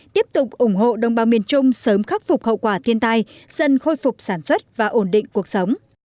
tiếp tục ủng hộ đồng bào miền trung sớm khắc phục hậu quả thiên tai dân khôi phục sản xuất và ổn định cuộc sống